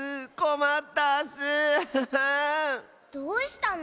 どうしたの？